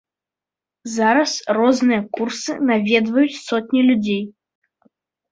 Зараз розныя курсы наведваюць сотні людзей.